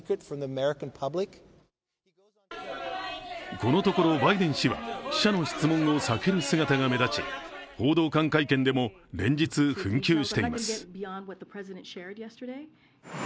このところバイデン氏は記者の質問を避ける姿が目立ち報道官会見でも連日、紛糾しています。